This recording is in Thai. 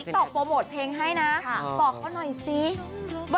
เพราะว่าใจแอบในเจ้า